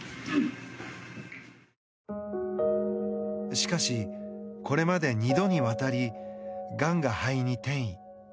しかし、これまで２度にわたりがんが肺に転移。